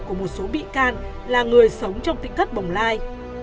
của một số bị can là người sống trong tỉnh thất bồng lai